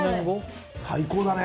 最高だね。